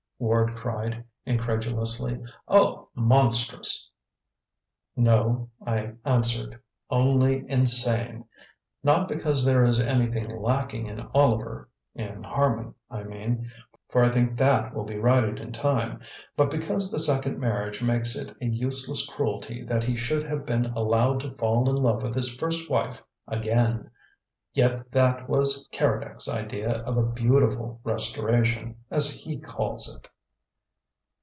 Ward cried incredulously. "Oh, monstrous!" "No," I answered. "Only insane. Not because there is anything lacking in Oliver in Harman, I mean for I think that will be righted in time, but because the second marriage makes it a useless cruelty that he should have been allowed to fall in love with his first wife again. Yet that was Keredec's idea of a 'beautiful restoration,' as he calls it!"